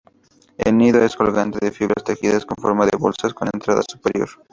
El nido es colgante, de fibras tejidas, con forma de bolsa con entrada superior.